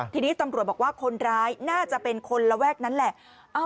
ทีนี้ตำรวจบอกว่าคนร้ายน่าจะเป็นคนระแวกนั้นแหละ